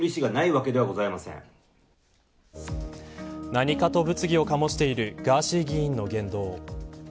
何かと物議を醸しているガーシー議員の言動。